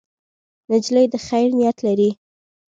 نجلۍ د خیر نیت لري.